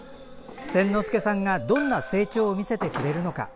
千之助さんがどんな成長を見せてくれるのか。